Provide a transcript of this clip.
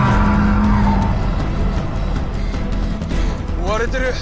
追われてる！